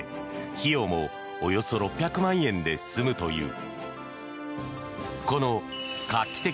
費用もおよそ６００万円で済むという。